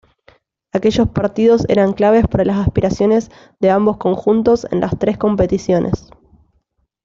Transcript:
Aquellos partidos eran claves para las aspiraciones de ambos conjuntos en las tres competiciones.